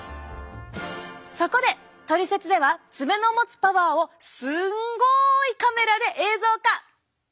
そこで「トリセツ」では爪の持つパワーをすんごいカメラで映像化！